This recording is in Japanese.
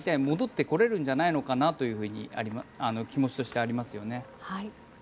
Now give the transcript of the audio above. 戻ってこれるんじゃないのかなと気持ちとしてありますよね。